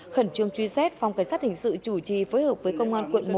khẩn trương truy xét phòng cảnh sát hình sự chủ trì phối hợp với công an quận một